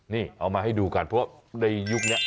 นี่เอามาให้ดูกันเพราะว่าในยุคนี้